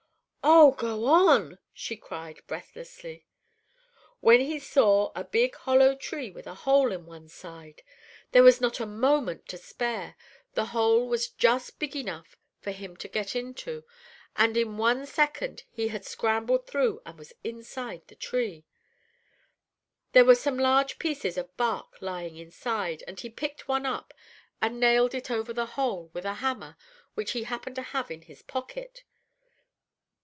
"Oh, go on!" she cried, breathlessly. " when he saw a big hollow tree with a hole in one side. There was not a moment to spare; the hole was just big enough for him to get into; and in one second he had scrambled through and was inside the tree. There were some large pieces of bark lying inside, and he picked one up and nailed it over the hole with a hammer which he happened to have in his pocket.